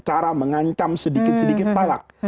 cara mengancam sedikit sedikit palak